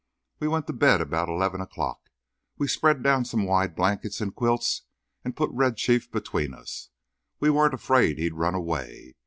We went to bed about eleven o'clock. We spread down some wide blankets and quilts and put Red Chief between us. We weren't afraid he'd run away.